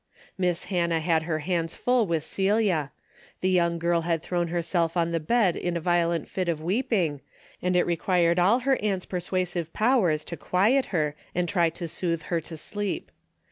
Miss Hannah had her hands full with Celia. The young girl had thrown herself on the bed in a violent fit of weeping, and it required all her aunt's persuasive powers to quiet her and try to soothe her to sleep.